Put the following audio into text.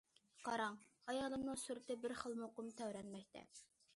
قاراڭ، ئايالىمنىڭ سۈرىتى بىر خىل مۇقىم تەۋرەنمەكتە.